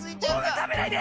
たべないで！